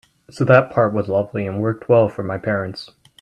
So that part was lovely and worked well for my parents.